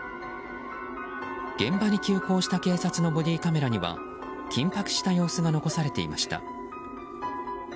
現場に急行した警察のボディーカメラには緊迫した様子が残されていました。